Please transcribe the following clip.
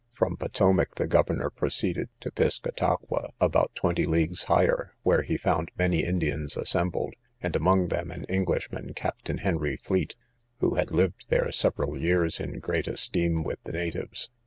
From Potowmac the governor proceeded to Piscataqua, about 20 leagues higher, where he found many Indians assembled, and among them an Englishman, Captain Henry Fleet, who had lived there several years in great esteem with the natives.